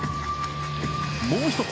もう１つ！